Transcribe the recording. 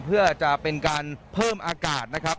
เพื่อจะเป็นการเพิ่มอากาศนะครับ